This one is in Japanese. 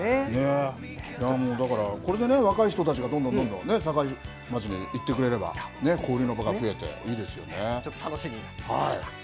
だから、これでね、若い人たちがどんどんどんどん境町に行ってくれれば、交流の場が増えていいでちょっと楽しみ。